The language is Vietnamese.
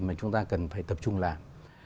mà chúng ta cần phải tập trung làm